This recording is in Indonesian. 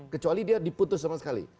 kecuali dia diputus sama sekali